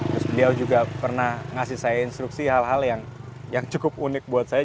terus beliau juga pernah ngasih saya instruksi hal hal yang cukup unik buat saya